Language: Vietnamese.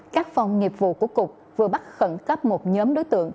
các phòng nghiệp vụ của cục vừa bắt khẩn cấp một nhóm đối tượng